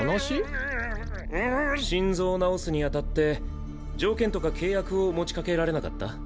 心臓を治すにあたって条件とか契約を持ち掛けられなかった？